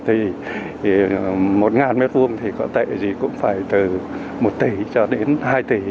thì một m hai thì có tệ gì cũng phải từ một tỷ cho đến hai tỷ